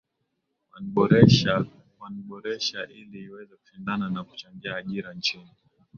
Wanboresha ili iweze kushindana na kuchangia ajira nchini